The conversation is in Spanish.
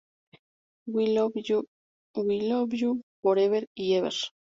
We love you, we love you forever and ever!